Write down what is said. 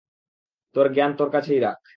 তোর জ্ঞান তোর কাছেই রাখ।